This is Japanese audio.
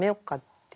って。